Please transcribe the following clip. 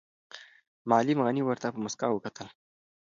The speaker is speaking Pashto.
معلم غني ورته په موسکا وکتل.